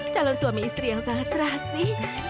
calon suami istri yang sangat rahasih